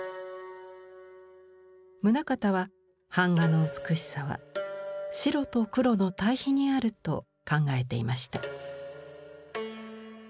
棟方は板画の美しさは白と黒の対比にあると考えていました。